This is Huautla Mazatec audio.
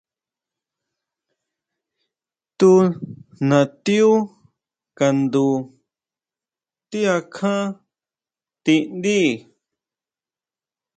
Tunatiú kandu ti akján tindíi.